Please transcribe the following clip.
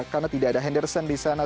karena tidak ada henderson di sana